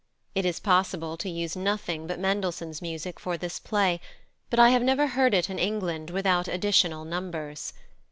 It is possible to use nothing but Mendelssohn's music for this play, but I have never heard it in England without additional numbers.